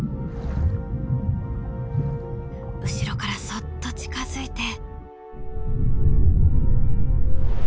後ろからそっと近づいて。